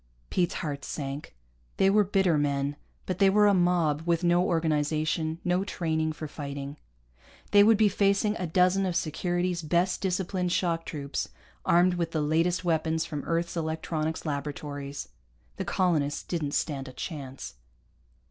Pete's heart sank. They were bitter men, but they were a mob with no organization, no training for fighting. They would be facing a dozen of Security's best disciplined shock troops, armed with the latest weapons from Earth's electronics laboratories. The colonists didn't stand a chance.